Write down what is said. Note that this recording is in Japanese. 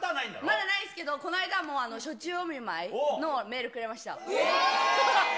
まだないですけど、この間も、暑中お見舞いのメールくれました。